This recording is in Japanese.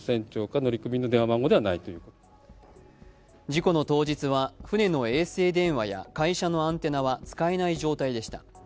事故の当日は、船の衛星電話や会社のアンテナは使えない状態でした。